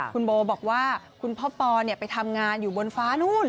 คุณโบบอกว่าคุณพ่อปอไปทำงานอยู่บนฟ้านู่น